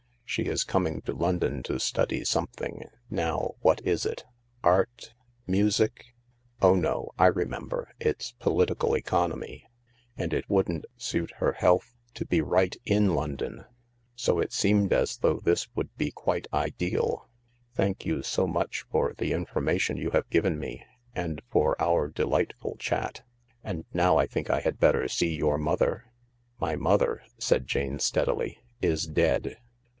She is coming to London to study something— now what is it— art— music ? Oh no, I remember, it's political economy. And it wouldn't suit her health to be right in London. So it seemed as though this would be quite ideal. Thank you so much for the information you have given me— and for our delightful chat. And now I think I had better see your mother." "My mother," said Jane steadily, "is dead."